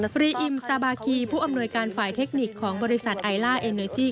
ปรีอิมซาบาคีผู้อำนวยการฝ่ายเทคนิคของบริษัทไอล่าเอเนอร์จี้